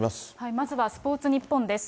まずはスポーツニッポンです。